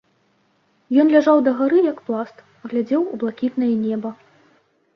Ён ляжаў дагары, як пласт, глядзеў у блакітнае неба.